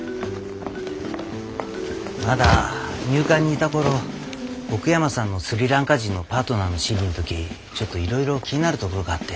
まだ入管にいた頃奥山さんのスリランカ人のパートナーの審理の時ちょっといろいろ気になるところがあって。